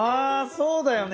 そうだよね。